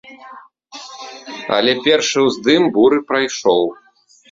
Але першы ўздым буры прайшоў.